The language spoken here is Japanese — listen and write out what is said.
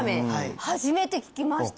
初めて聞きました